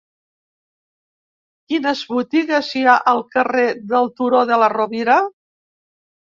Quines botigues hi ha al carrer del Turó de la Rovira?